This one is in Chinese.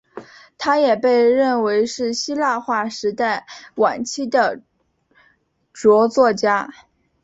他也被认为是希腊化时代晚期的着作家。